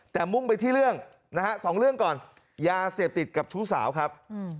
แต่มุ่งไปที่เรื่องนะฮะสองเรื่องก่อนยาเสพติดกับชู้สาวครับ